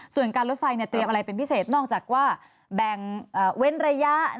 ส่วนการรถไฟเตรียมอะไรเป็นพิเศษนอกจากว่าแบ่งเว้นระยะ